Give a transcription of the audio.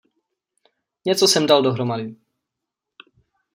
Něco jsem dal dohromady.